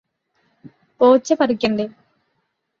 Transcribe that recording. പോച്ച പറിക്കണ്ടേ?